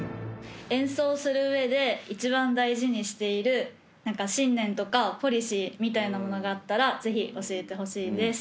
演奏する上で一番大事にしている何か信念とかポリシーみたいなものがあったらぜひ教えてほしいです。